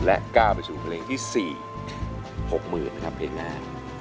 และกล้าไปสู่เพลงที่สี่หกหมื่นนะครับเพลงนี้